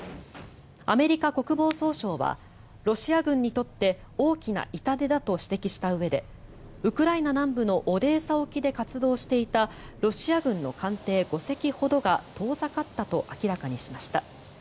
アメリカ国防総省はロシア軍にとって大きな痛手だと指摘したうえでウクライナ南部のオデーサ沖で活動していたロシア軍の艦艇５隻ほどが遠ざかったと明らかにしました。